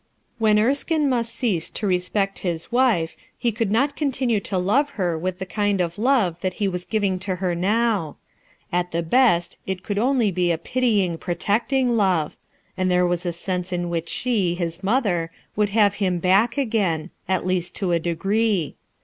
When Erskine must cease to respect his wife, he could not continue to love her with the kind of love that he was giving to her now. At the best it could be only a pitying, protecting love, and there was a sense in which she, his mother, would have him back again, at least to a degree.